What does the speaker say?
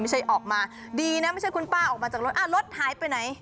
ออกมาดีนะไม่ใช่คุณป้าออกมาจากรถรถหายไปไหน